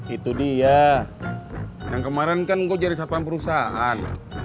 itu dia yang kemarin kan gue jadi satuan perusahaan